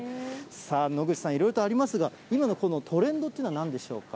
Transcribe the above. さあ、野口さん、いろいろとありますが、今のこのトレンドっていうのはなんでしょうか。